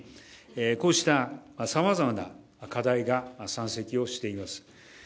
こうしたさまざまな課題が山積をしています。